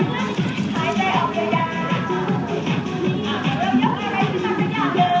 หายใจเข้ามานึกหายใจออกเหลือยาว